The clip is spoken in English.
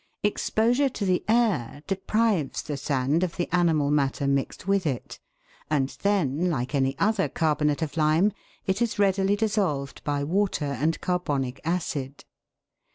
n). Exposure to the air deprives the sand of the animal matter mixed with it, and then, like any other carbonate of lime, it is readily dissolved by water and carbonic acid.